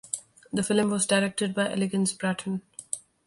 The film was directed by Elegance Bratton.